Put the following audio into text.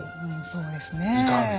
そうですねええ。